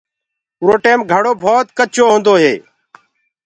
اُرو ٽيم گھڙو ڀوت ڪچو هوندو هي۔